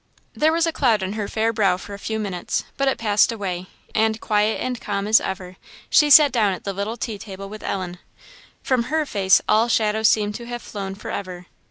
There was a cloud on her fair brow for a few minutes, but it passed away, and, quiet and calm as ever, she sat down at the little tea table with Ellen. From her face all shadows seemed to have flown for ever.